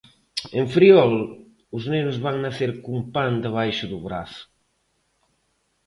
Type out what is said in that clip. En Friol, os nenos van nacer cun pan debaixo do brazo.